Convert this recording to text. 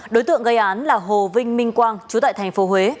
đối tượng gây án là hồ vinh minh quang trú tại tp huế